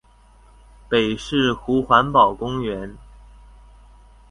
北勢湖環保公園